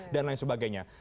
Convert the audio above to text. dan lain sebagainya